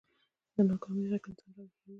د ناکامۍ غږ انسان راويښوي